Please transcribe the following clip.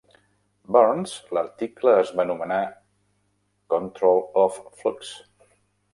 Burns, l'article es va anomenar Control of Flux.